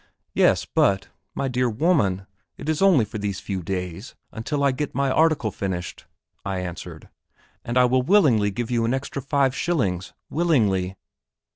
"Yes; but, my dear woman, it is only for these few days, until I get my article finished," I answered, "and I will willingly give you an extra five shillings willingly."